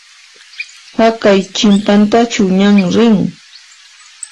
Haqay chinpatachu ñan rin?